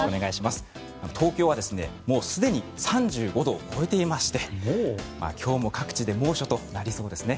東京はもうすでに３５度を超えていまして今日も各地で猛暑となりそうですね。